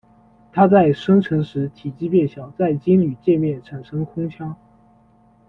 它在生成时体积变小，在金铝界面产生空腔。